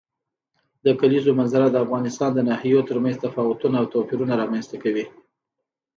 د کلیزو منظره د افغانستان د ناحیو ترمنځ تفاوتونه او توپیرونه رامنځ ته کوي.